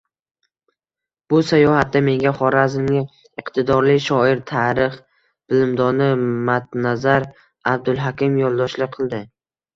Bu sayohatda menga xorazmlik iqtidorli shoir, tarix bilimdoni Matnazar Abdulhakim yoʻldoshlik qildi